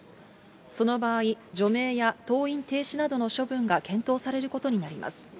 その場合、除名や登院停止などの処分が検討されることになります。